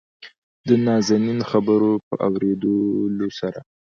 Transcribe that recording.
دنازنين خبرو په اورېدلو سره